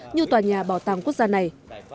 như tòa nhà bảo tàng quốc gia này